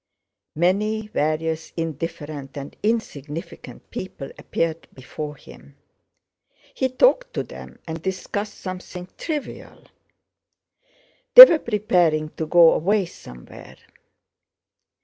Many various, indifferent, and insignificant people appeared before him. He talked to them and discussed something trivial. They were preparing to go away somewhere.